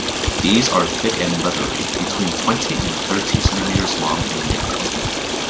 These are thick and leathery, between twenty and thirty centimetres long, and narrow.